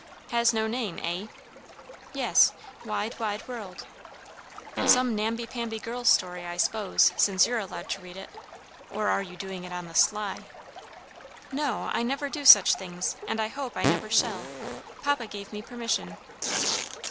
"Has no name, eh?" "Yes, 'Wide, Wide World.'" "Some namby pamby girl's story, I s'pose, since you're allowed to read it; or are you doing it on the sly?" "No, I never do such things, and hope I never shall; papa gave me permission."